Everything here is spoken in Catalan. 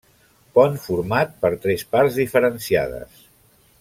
Pont format per tres parts diferenciades.